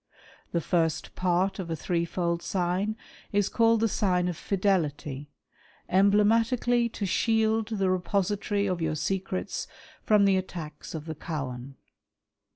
The first part of a "threefold sign is called the sign of fidelity, emblematically to " shield the repository of your secrets from the attacks of the " cowan.